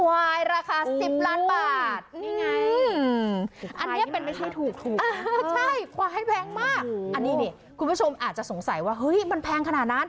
อันนี้เราจะสงสัยว่ามันแพงขนาดนั้น